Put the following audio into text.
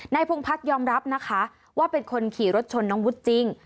พงพัฒน์ยอมรับนะคะว่าเป็นคนขี่รถชนน้องวุฒิจริง